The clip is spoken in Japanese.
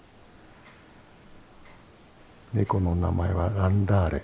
ネコの名前はランダーレ。